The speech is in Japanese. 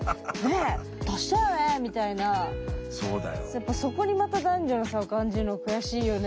やっぱそこにまた男女の差を感じるのは悔しいよね。